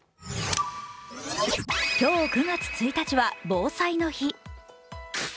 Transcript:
今日、９月１日は防災の日。